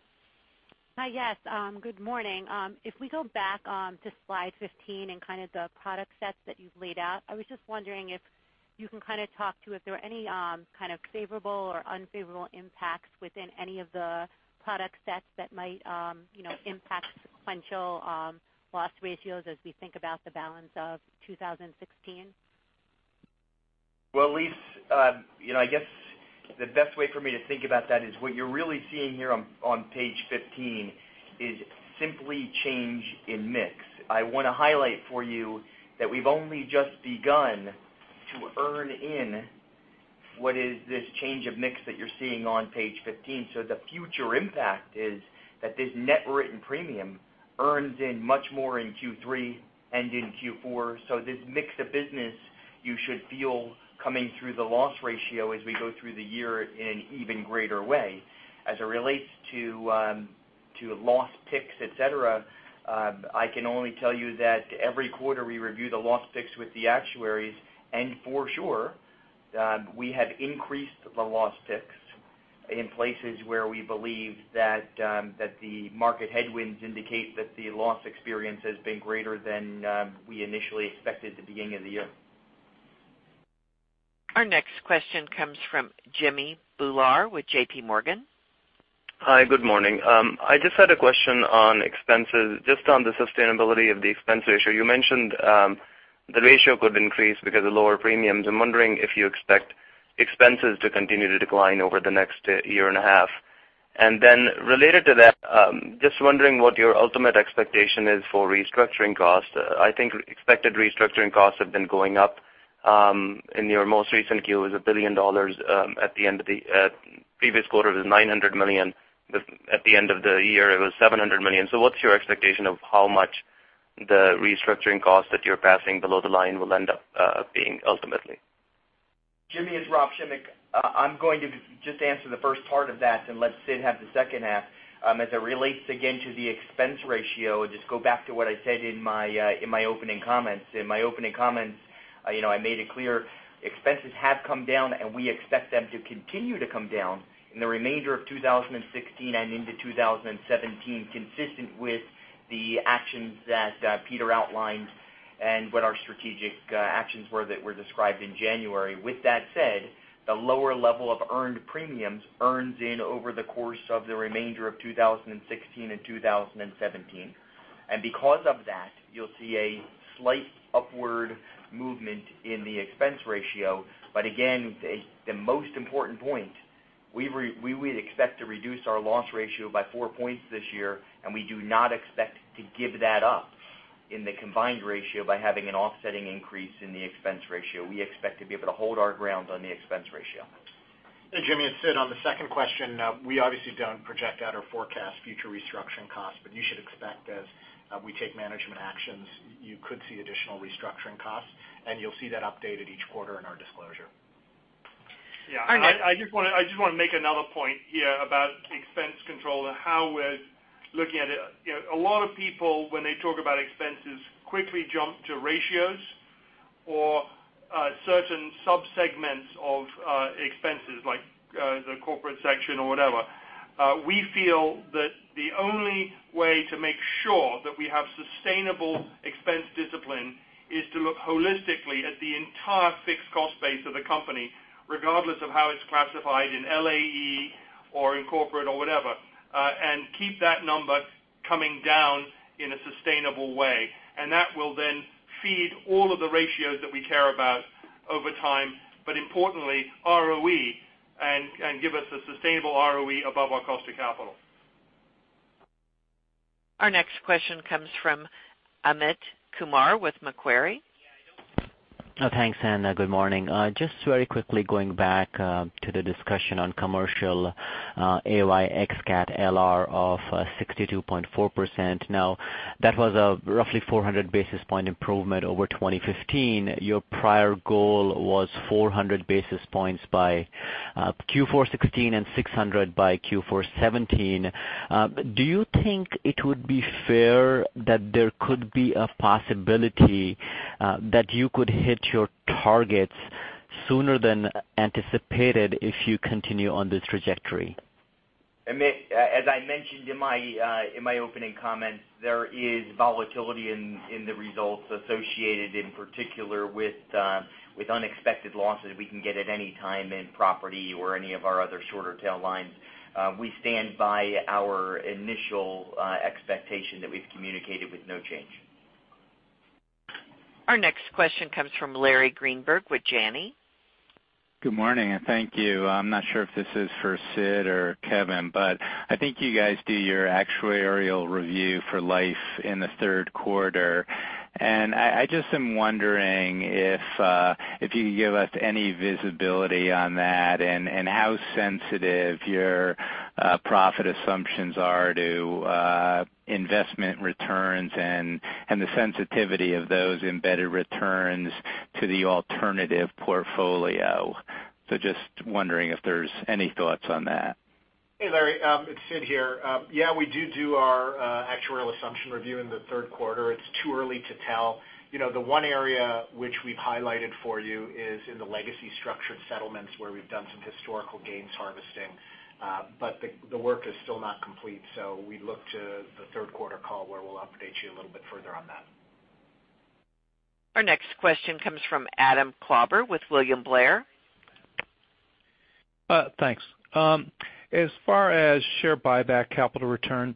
Hi, yes. Good morning. If we go back to slide 15 and kind of the product sets that you've laid out, I was just wondering if you can kind of talk to if there are any kind of favorable or unfavorable impacts within any of the product sets that might impact sequential loss ratios as we think about the balance of 2016. Well, Elyse, I guess the best way for me to think about that is what you're really seeing here on page 15 is simply change in mix. I want to highlight for you that we've only just begun to earn in What is this change of mix that you're seeing on page 15? The future impact is that this net written premium earns in much more in Q3 and in Q4. This mix of business, you should feel coming through the loss ratio as we go through the year in an even greater way. As it relates to loss picks, et cetera, I can only tell you that every quarter we review the loss picks with the actuaries, and for sure, we have increased the loss picks in places where we believe that the market headwinds indicate that the loss experience has been greater than we initially expected at the beginning of the year. Our next question comes from Jimmy Bhullar with J.P. Morgan. Hi, good morning. I just had a question on expenses, just on the sustainability of the expense ratio. You mentioned the ratio could increase because of lower premiums. I'm wondering if you expect expenses to continue to decline over the next year and a half. Related to that, just wondering what your ultimate expectation is for restructuring costs. I think expected restructuring costs have been going up. In your most recent Q, it was $1 billion. At the end of the previous quarter, it was $900 million. At the end of the year, it was $700 million. What's your expectation of how much the restructuring costs that you're passing below the line will end up being ultimately? Jimmy, it's Rob Schimek. I'm going to just answer the first part of that and let Sid have the second half. As it relates again to the expense ratio, just go back to what I said in my opening comments. In my opening comments, I made it clear expenses have come down, and we expect them to continue to come down in the remainder of 2016 and into 2017, consistent with the actions that Peter outlined and what our strategic actions were that were described in January. With that said, the lower level of earned premiums earns in over the course of the remainder of 2016 and 2017. Because of that, you'll see a slight upward movement in the expense ratio. Again, the most important point, we would expect to reduce our loss ratio by four points this year, and we do not expect to give that up in the combined ratio by having an offsetting increase in the expense ratio. We expect to be able to hold our ground on the expense ratio. Hey, Jimmy, it's Sid. On the second question, we obviously don't project out or forecast future restructuring costs, but you should expect as we take management actions, you could see additional restructuring costs, and you'll see that updated each quarter in our disclosure. Yeah. Arne. I just want to make another point here about expense control and how we're looking at it. A lot of people, when they talk about expenses, quickly jump to ratios or certain subsegments of expenses, like the corporate section or whatever. We feel that the only way to make sure that we have sustainable expense discipline is to look holistically at the entire fixed cost base of the company, regardless of how it's classified in LAE or in corporate or whatever, and keep that number coming down in a sustainable way. That will then feed all of the ratios that we care about over time, but importantly, ROE, and give us a sustainable ROE above our cost of capital. Our next question comes from Amit Kumar with Macquarie. Thanks, Anna. Good morning. Just very quickly going back to the discussion on commercial AOY ex cat LR of 62.4%. Now, that was a roughly 400 basis point improvement over 2015. Your prior goal was 400 basis points by Q4 2016 and 600 by Q4 2017. Do you think it would be fair that there could be a possibility that you could hit your targets sooner than anticipated if you continue on this trajectory? Amit, as I mentioned in my opening comments, there is volatility in the results associated, in particular with unexpected losses we can get at any time in property or any of our other shorter tail lines. We stand by our initial expectation that we've communicated with no change. Our next question comes from Larry Greenberg with Janney. Good morning, thank you. I'm not sure if this is for Sid or Kevin, but I think you guys do your actuarial review for life in the third quarter. I just am wondering if you could give us any visibility on that and how sensitive your profit assumptions are to investment returns and the sensitivity of those embedded returns to the alternative portfolio. Just wondering if there's any thoughts on that. Hey, Larry, it's Sid here. Yeah, we do our actuarial assumption review in the third quarter. It's too early to tell. The one area which we've highlighted for you is in the legacy structured settlements where we've done some historical gains harvesting. The work is still not complete, we look to the third quarter call where we'll update you a little bit further on that. Our next question comes from Adam Klauber with William Blair. Thanks. As far as share buyback capital return,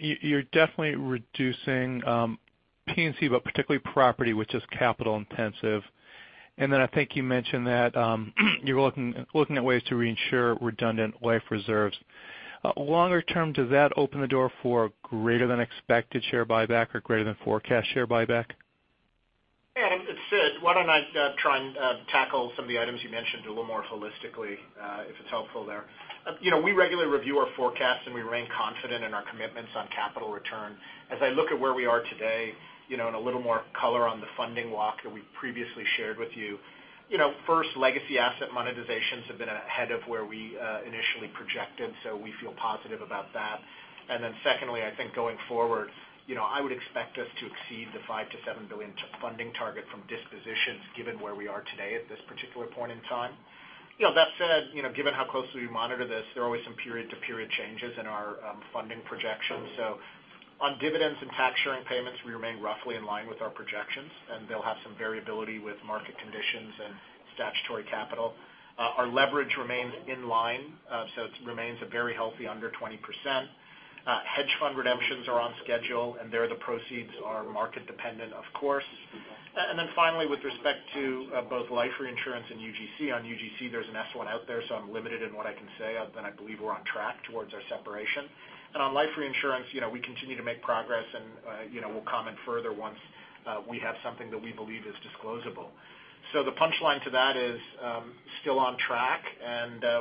you're definitely reducing P&C, but particularly property, which is capital intensive. I think you mentioned that you're looking at ways to reinsure redundant life reserves. Longer term, does that open the door for greater than expected share buyback or greater than forecast share buyback? Yeah, it's Sid. Why don't I try and tackle some of the items you mentioned a little more holistically, if it's helpful there. We regularly review our forecasts, we remain confident in our commitments on capital return. As I look at where we are today, a little more color on the funding walk that we previously shared with you. First, legacy asset monetizations have been ahead of where we initially projected, so we feel positive about that. Secondly, I think going forward, I would expect us to exceed the $5 billion-$7 billion funding target from dispositions given where we are today at this particular point in time. That said, given how closely we monitor this, there are always some period-to-period changes in our funding projections. On dividends and tax sharing payments, we remain roughly in line with our projections, they'll have some variability with market conditions and statutory capital. Our leverage remains in line, it remains a very healthy under 20%. Hedge fund redemptions are on schedule, there the proceeds are market dependent, of course. Finally, with respect to both life reinsurance and UGC, on UGC, there's an S1 out there, so I'm limited in what I can say, other than I believe we're on track towards our separation. On life reinsurance, we continue to make progress, we'll comment further once we have something that we believe is disclosable. The punchline to that is still on track,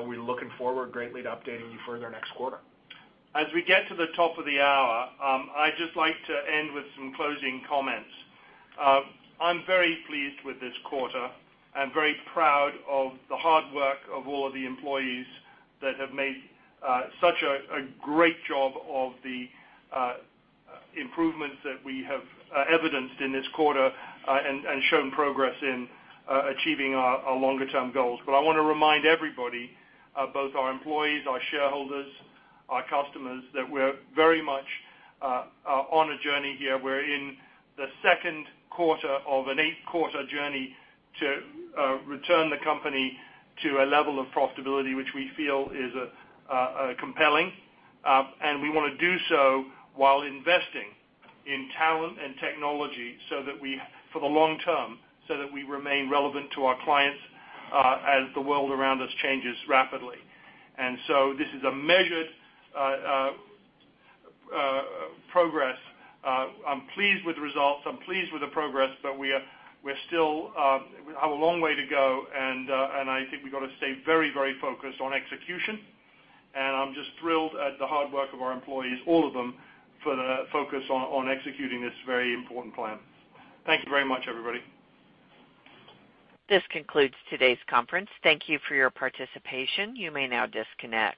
we're looking forward greatly to updating you further next quarter. As we get to the top of the hour, I'd just like to end with some closing comments. I'm very pleased with this quarter and very proud of the hard work of all of the employees that have made such a great job of the improvements that we have evidenced in this quarter and shown progress in achieving our longer-term goals. I want to remind everybody, both our employees, our shareholders, our customers, that we're very much on a journey here. We're in the second quarter of an eight-quarter journey to return the company to a level of profitability which we feel is compelling. We want to do so while investing in talent and technology for the long term, so that we remain relevant to our clients as the world around us changes rapidly. This is a measured progress. I'm pleased with the results. I'm pleased with the progress, but we still have a long way to go, and I think we've got to stay very focused on execution. I'm just thrilled at the hard work of our employees, all of them, for the focus on executing this very important plan. Thank you very much, everybody. This concludes today's conference. Thank you for your participation. You may now disconnect.